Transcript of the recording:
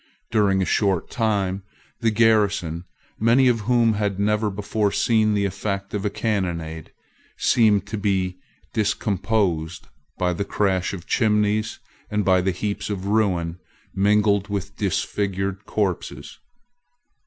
During a short time the garrison, many of whom had never before seen the effect of a cannonade, seemed to be discomposed by the crash of chimneys, and by the heaps of ruin mingled with disfigured corpses.